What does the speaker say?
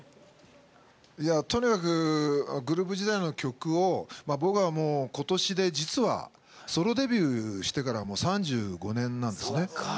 とにかくグループ時代の曲を僕は、今年で実はソロデビューしてからもう３５年なんですね。